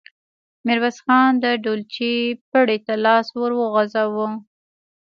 ميرويس خان د ډولچې پړي ته لاس ور وغځاوه.